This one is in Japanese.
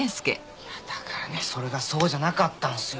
だからねそれがそうじゃなかったんすよ。